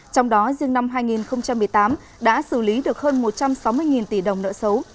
trong đó riêng năm hai nghìn một mươi tám đã xử lý được hơn một trăm sáu mươi tỷ đồng nợ xấu